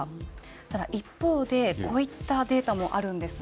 ただ一方で、こういったデータもあるんです。